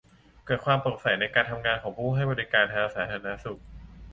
เกิดความโปร่งใสในการทำงานของผู้ให้บริการทางสาธารณสุข